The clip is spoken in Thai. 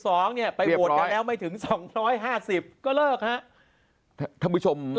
ถูกถ้า๓๑๒ไปโหวตกันแล้วไม่ถึง๒๕๐ก็เลิกครับ